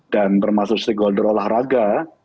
dan termasuk stakeholder olahraga